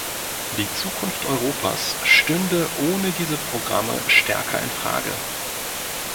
Die Zukunft Europas stünde ohne diese Programme stärker in Frage.